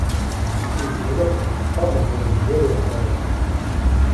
Telzem-ak tkeffaṛt deg unebdu n leḥṛuṛ.